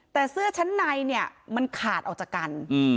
แต่เสื้อชั้นในเนี่ยมันขาดออกจากกัน